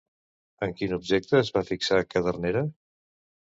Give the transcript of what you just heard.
En quin objecte es va fixar Cadernera?